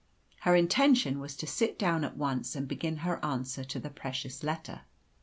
Her intention was to sit down at once and begin her answer to the precious letter.